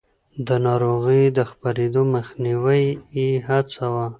د ناروغيو د خپرېدو مخنيوی يې هڅاوه.